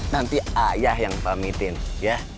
nanti ayah yang pamitin ya